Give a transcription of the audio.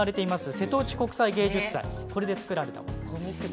瀬戸内国際芸術祭で作られたものです。